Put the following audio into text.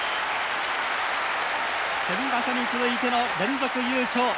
先場所に続いての連続優勝。